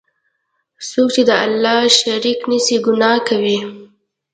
څوک چی د الله شریک نیسي، ګناه کوي.